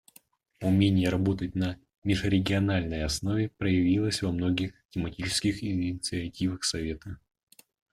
Умение работать на межрегиональной основе проявилось во многих тематических инициативах Совета.